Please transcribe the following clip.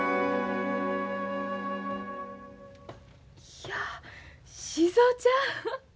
いや静尾ちゃん。